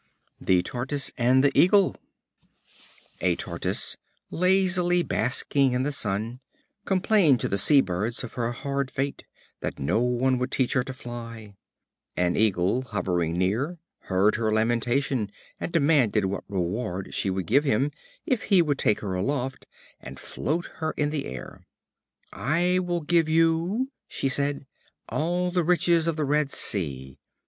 The Tortoise and the Eagle. A Tortoise, lazily basking in the sun, complained to the sea birds of her hard fate, that no one would teach her to fly. An Eagle, hovering near, heard her lamentation, and demanded what reward she would give him, if he would take her aloft, and float her in the air. "I will give you," she said, "all the riches of the Red Sea."